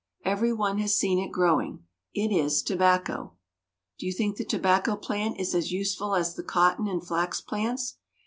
Every one has seen it growing. It is tobacco. Do you think the tobacco plant is as useful as the cotton and flax plants?